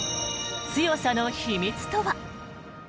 強さの秘密とは。